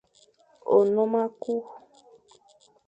Nnôm à ku.